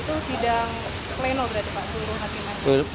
itu sidang pleno berarti pak